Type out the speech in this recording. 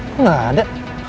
kok gak ada